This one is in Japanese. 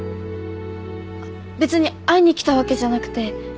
別に会いに来たわけじゃなくて。